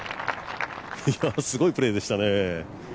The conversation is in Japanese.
すごいプレーでしたね。